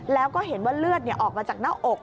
แล้วก็เห็นว่าเลือดออกมาจากหน้าอก